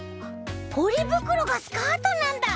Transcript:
ポリぶくろがスカートなんだ！